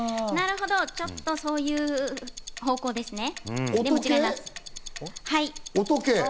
ちょっとそういう方向ですね。